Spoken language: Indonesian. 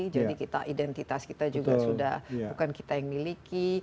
jadi identitas kita juga sudah bukan kita yang miliki